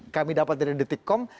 kami dapat dari detikkom